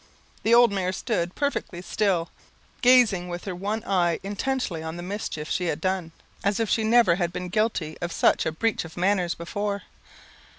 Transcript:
The old mare stood perfectly still, gazing with her one eye intently on the mischief she had done, as if she never had been guilty of such a breach of manners before.